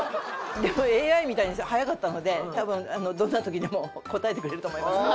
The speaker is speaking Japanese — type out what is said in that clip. でもＡＩみたいに速かったので多分どんな時でも答えてくれると思います。